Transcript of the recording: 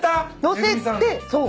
乗せてそう。